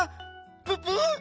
ププ！？